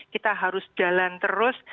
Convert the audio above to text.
kita harus jalan terus